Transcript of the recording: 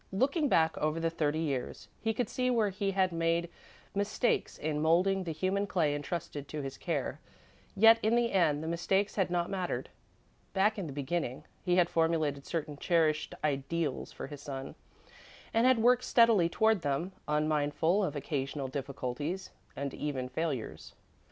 Looking back over the thirty years, he could see where he had made mistakes in moulding the human clay entrusted to his care, yet, in the end, the mistakes had not mattered. Back in the beginning, he had formulated certain cherished ideals for his son, and had worked steadily toward them, unmindful of occasional difficulties and even failures.